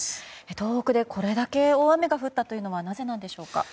東北でこれだけ大雨が降ったというのはなぜなんでしょうか。